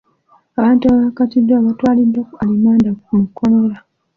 Abantu abaakwatiddwa baatwaliddwa ku alimanda mu kkomera.